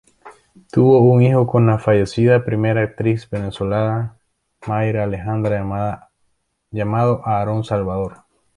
Tuvo un hijo con la fallecida primera actriz venezolana Mayra Alejandra llamado Aarón Salvador.